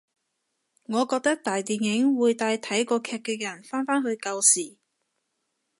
我覺得大電影會帶睇過劇嘅人返返去舊時